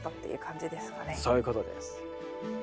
そういうことです。